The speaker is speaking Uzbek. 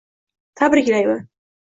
Tabriklayman!